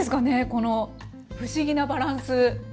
この不思議なバランス。